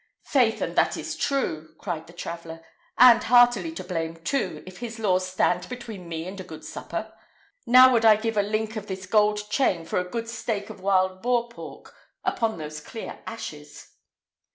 "Faith, and that is true," cried the traveller; "and heartily to blame, too, if his laws stand between me and a good supper. Now would I give a link of this gold chain for a good steak of wild boar pork upon those clear ashes."